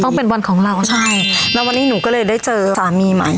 ต้องเป็นวันของเราใช่แล้ววันนี้หนูก็เลยได้เจอสามีใหม่